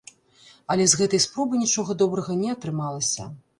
Але з гэтай спробы нічога добрага не атрымалася.